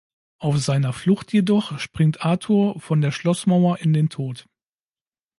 Auf seiner Flucht jedoch springt Arthur von der Schlossmauer in den Tod.